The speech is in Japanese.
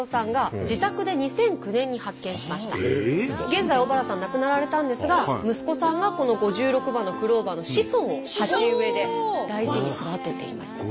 現在小原さん亡くなられたんですが息子さんがこの５６葉のクローバーの子孫を鉢植えで大事に育てています。